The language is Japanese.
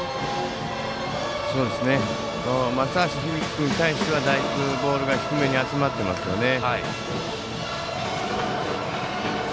松橋日々生君に対してはだいぶボールが低めに集まっていますね。